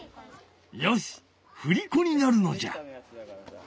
よしふりこになるのじゃ！